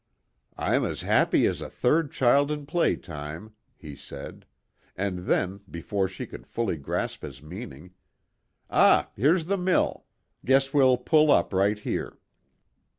"I'm as happy as a third child in playtime," he said; and then, before she could fully grasp his meaning, "Ah, here's the mill. Guess we'll pull up right here."